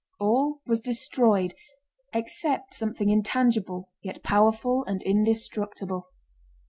All was destroyed, except something intangible yet powerful and indestructible.